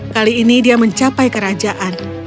kali ini dia mencapai kerajaan